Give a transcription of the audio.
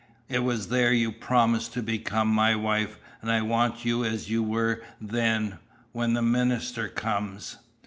It was there you promised to become my wife, and I want you as you were then when the minister comes."